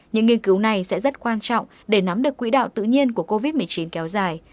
những nghiên cứu này sẽ rất quan trọng để nắm được quỹ đạo tự nhiên của covid một mươi chín kéo dài